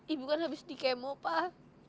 ibu kan habis dikemo pak